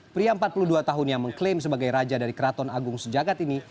pria empat puluh dua tahun yang mengklaim sebagai raja dari keraton agung sejagat ini